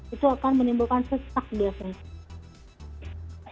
itu akan menimbulkan sesak biasanya